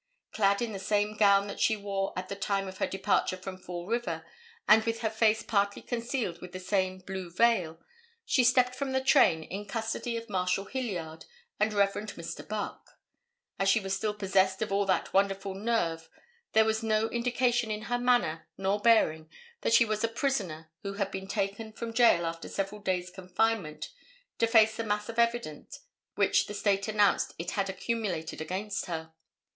Clad in the same gown that she wore at the time of her departure from Fall River, and with her face partly concealed with the same blue veil, she stepped from the train in custody of Marshal Hilliard and Rev. Mr. Buck. As she was still possessed of all that wonderful nerve there was no indication in her manner nor bearing that she was a prisoner who had been taken from jail after several days confinement to face the mass of evidence which the State announced it had accumulated against her.